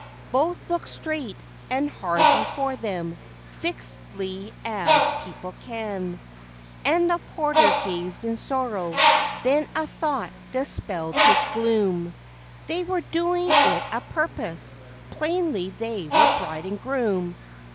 Both looked straight and hard before them, fixedly as people can; And the porter gazed in sorrow; then a thought dispelled ^ his They were doing it a purpose; plainly they were bride and groom!